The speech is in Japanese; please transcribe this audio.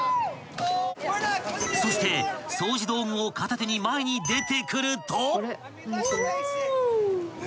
［そして掃除道具を片手に前に出てくると］